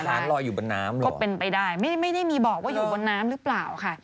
ลอยอยู่บนน้ำเลยก็เป็นไปได้ไม่ได้มีบอกว่าอยู่บนน้ำหรือเปล่าค่ะ